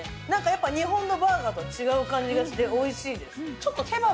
やっぱり日本のバーガーと違う感じがしておいしいですね。